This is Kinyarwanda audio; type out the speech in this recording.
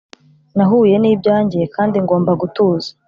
nahuye nibyanjye kandi ngomba gutuza